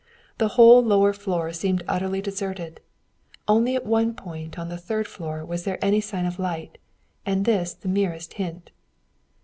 The whole lower floor seemed utterly deserted; only at one point on the third floor was there any sign of light, and this the merest hint.